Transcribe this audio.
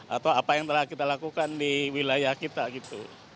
atau apa yang telah kita lakukan di wilayah kita gitu